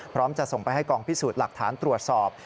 จะส่งไปให้กองพิสูจน์หลักฐานตรวจสอบ